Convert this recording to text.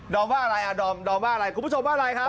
ดอมว่าอะไรดอมว่าอะไรคุณผู้ชมว่าอะไรครับ